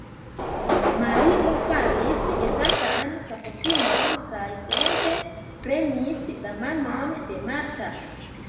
Mario faris jesantan kapoklinon kaj silente premis la manon de Marta.